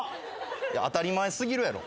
いや当たり前過ぎるやろ。